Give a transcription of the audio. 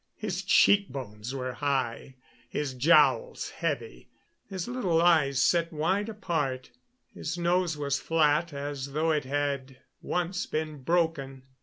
His cheek bones were high, his jowls heavy, his little eyes set wide apart. His nose was flat, as though it had once been broken.